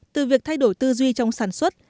từ việc thay đổi tư duy trong sản xuất